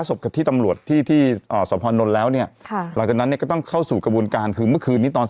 เพราะไปขอที่ตำรวจที่ทีอ่าสมฤนลแล้วเนี่ยหลังจากนั้นนั้นเนี่ยก็ต้องเข้าสู่กระบูนการคือเมื่อคืนนี้ตอนแถว๓จน